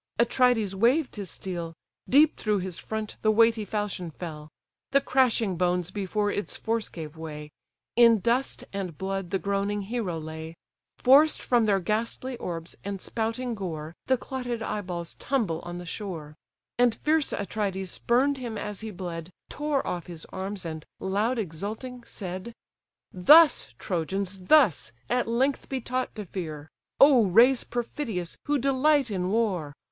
Atrides waved his steel: Deep through his front the weighty falchion fell; The crashing bones before its force gave way; In dust and blood the groaning hero lay: Forced from their ghastly orbs, and spouting gore, The clotted eye balls tumble on the shore. And fierce Atrides spurn'd him as he bled, Tore off his arms, and, loud exulting, said: "Thus, Trojans, thus, at length be taught to fear; O race perfidious, who delight in war!